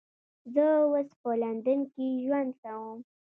زه اوس په لندن کې ژوند کوم